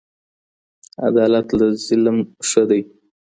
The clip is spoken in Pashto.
عدالت له ظلم ښه دی.